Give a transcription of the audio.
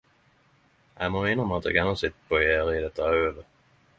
Eg må innrømma at eg enno sit på gjerdet i dette høvet.